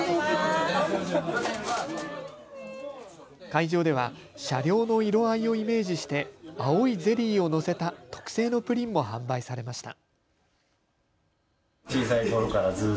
会場では車両の色合いをイメージして青いゼリーを載せた特製のプリンも販売されました。